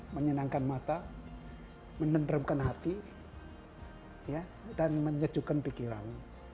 menyenangkan mata menendramkan hati dan menyejukkan pikiran